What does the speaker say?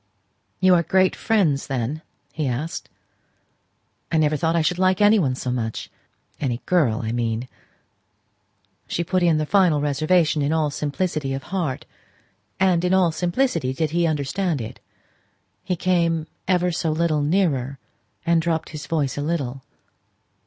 "You are great friends, then?" he asked. "I never thought I should like any one so much, any girl I mean." She put in the final reservation in all simplicity of heart; and in all simplicity did he understand it. He came ever so little nearer, and dropped his voice a little.